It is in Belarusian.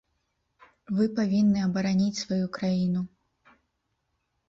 Вы павінны абараніць сваю краіну.